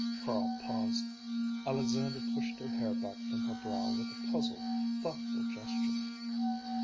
Carl paused. Alexandra pushed her hair back from her brow with a puzzled, thoughtful gesture.